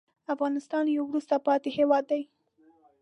افغانستان یو وروسته پاتې هېواد دی.